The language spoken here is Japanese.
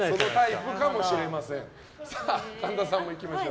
神田さん、いきましょう。